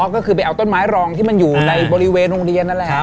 ก็คือไปเอาต้นไม้รองที่มันอยู่ในบริเวณโรงเรียนนั่นแหละ